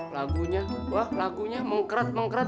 lagunya wah lagunya mengkerat mengkerat